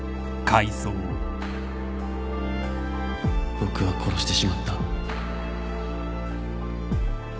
僕は殺してしまった